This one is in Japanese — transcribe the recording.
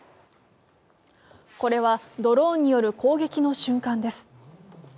これはドローンによる攻撃の瞬間です。